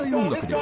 は